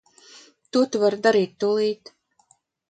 To tu vari darīt tūlīt.